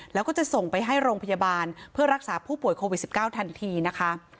แล้วก็จะส่งไปให้โรงพยาบาลเพื่อรักษาผู้ป่วยโควิด๑๙ทันทีนะคะ